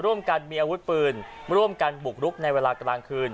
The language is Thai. ร่วมกันมีอาวุธปืนร่วมกันบุกรุกในเวลากลางคืน